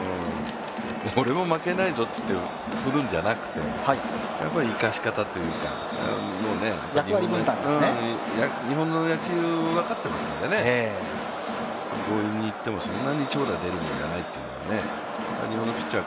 俺も負けないぞって振るんじゃなくて、生かし方というか、日本の野球を分かってますんでね、強引にいってもそんなに長打が出るんじゃないっていうね、日本のピッチャー、